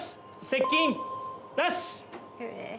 接近なし。